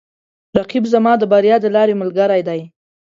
رقیب زما د بریا د لارې ملګری دی